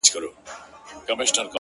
د گل خندا ـ